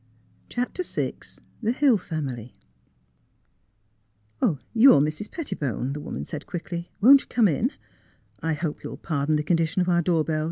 CHAPTER VI THE HILL FAINIILY *' You are Mrs. Pettibone," the woman said quickly; " won't you come in? I hope you'll par don the condition of our door bell.